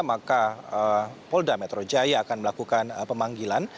maka polda metro jaya akan melakukan pemanggilan